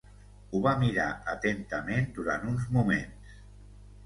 Ho va mirar atentament durant uns moments.